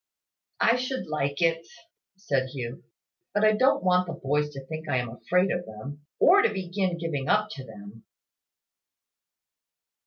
"I should like it," said Hugh, "but I don't want the boys to think I am afraid of them; or to begin giving up to them."